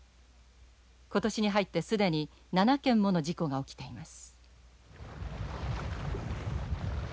今年に入って既に７件もの事故が起きています。